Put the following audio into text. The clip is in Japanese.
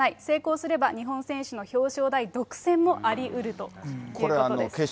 成功すれば、日本選手の表彰台独占もありうるということです。